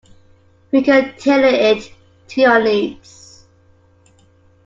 We can tailor it to your needs.